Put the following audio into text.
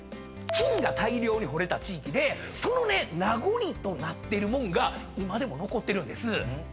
金が大量に掘れた地域でその名残となってるもんが今でも残ってるんです。